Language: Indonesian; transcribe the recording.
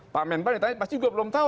pak menpan ditanya pasti juga belum tahu